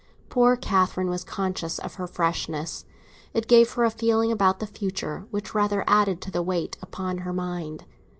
Poor Catherine was conscious of her freshness; it gave her a feeling about the future which rather added to the weight upon her mind.